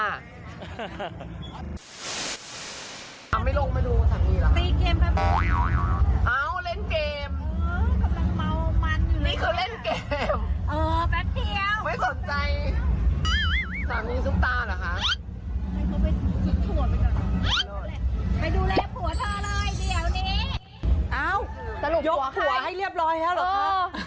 ยกหัวให้เรียบร้อยแล้วหรอคะ